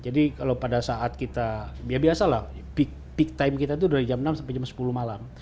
jadi kalau pada saat kita ya biasa lah peak time kita itu dari jam enam sampai jam sepuluh malam